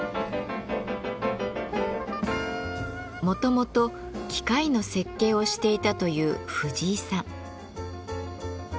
もともと機械の設計をしていたという藤井さん。